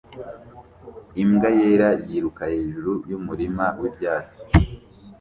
Imbwa yera yiruka hejuru yumurima wibyatsi